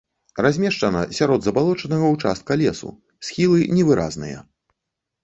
Размешчана сярод забалочанага ўчастка лесу, схілы невыразныя.